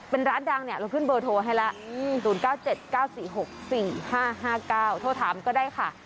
เป็นร้านดังเนี่ยเราขึ้นเบอร์โทรให้ละ๐๙๗๙๔๖๔๕๕๙โทรถามก็ได้ค่ะ